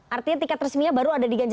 artinya tiket resmi baru ada